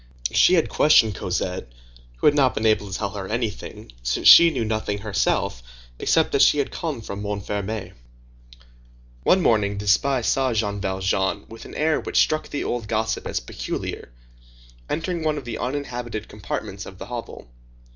She had questioned Cosette, who had not been able to tell her anything, since she knew nothing herself except that she had come from Montfermeil. One morning, this spy saw Jean Valjean, with an air which struck the old gossip as peculiar, entering one of the uninhabited compartments of the hovel.